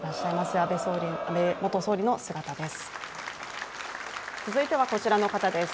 安倍元総理の姿です。